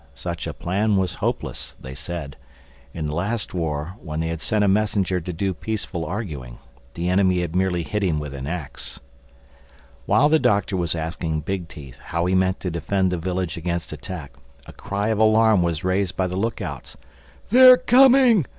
Such a plan was hopeless, they said. In the last war when they had sent a messenger to do peaceful arguing, the enemy had merely hit him with an ax. While the Doctor was asking Big Teeth how he meant to defend the village against attack, a cry of alarm was raised by the look outs. "They're coming!